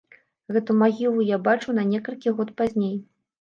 Гэту магілу я бачыў на некалькі год пазней.